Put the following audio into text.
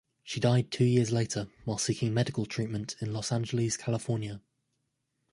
She died two years later, while seeking medical treatment in Los Angeles, California.